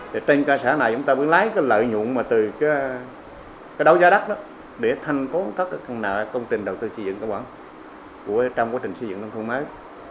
thì trên cái xã này chúng ta mới lấy cái lợi nhuận mà từ cái đấu giá đắt đó để thanh toán các cái nợ công trình đầu tư xây dựng cơ bản của trong quá trình xây dựng nông thôn mới